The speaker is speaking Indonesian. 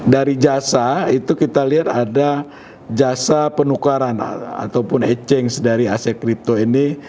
dari jasa itu kita lihat ada jasa penukaran ataupun e change dari aset kripto ini